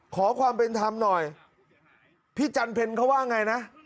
ขอความเป็นธรรมหน่อยพี่จันเพ็ญเขาว่าไงนะ